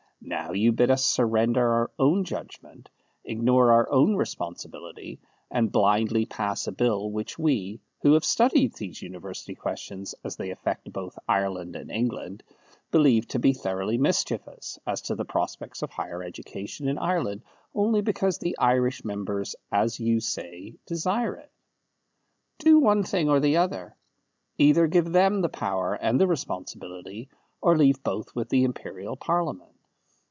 Now you bid us surrender our own judgment, ignore our own responsibility, and blindly pass a Bill which we, who have studied these university questions as they affect both Ireland and England, believe to be thoroughly mischievous to the prospects of higher education in Ireland, only because the Irish members, as you say, desire it. Do one thing or the other. Either give them the power and the responsibility, or leave both with the Imperial Parliament.